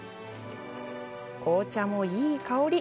紅茶もいい香り。